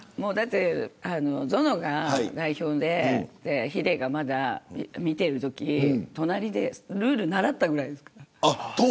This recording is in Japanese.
ゾノが代表でヒデがまだ見てるとき隣でルール習ったぐらいですから。